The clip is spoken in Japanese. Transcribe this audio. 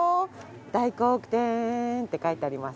大黒天って書いてあります。